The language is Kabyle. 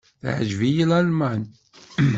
Teɛǧeb-iyi Lalman.